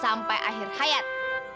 sampai akhir hayat